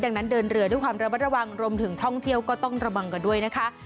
ดังนั้นเดินเรือด้วยความระมัดระวังรวมถึงท่องเที่ยวก็ต้องระวังกันด้วยนะคะ